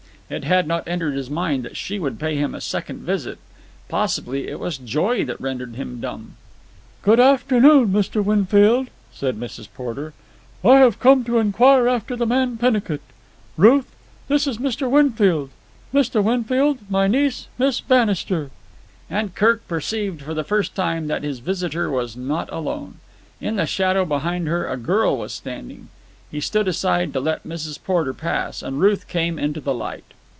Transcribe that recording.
It had not entered his mind that she would pay him a second visit. Possibly it was joy that rendered him dumb. "Good afternoon, Mr. Winfield," said Mrs. Porter. "I have come to inquire after the man Pennicut. Ruth, this is Mr. Winfield. Mr. Winfield, my niece, Miss Bannister." And Kirk perceived for the first time that his visitor was not alone. In the shadow behind her a girl was standing. He stood aside to let Mrs. Porter pass, and Ruth came into the light.